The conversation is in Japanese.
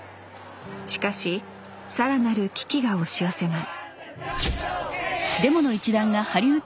しかし更なる危機が押し寄せます